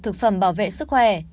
thực phẩm bảo vệ sức khỏe